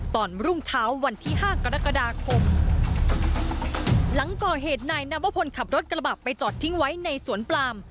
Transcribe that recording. รุ่งเช้าวันที่ห้ากรกฎาคมหลังก่อเหตุนายนวพลขับรถกระบะไปจอดทิ้งไว้ในสวนปลาม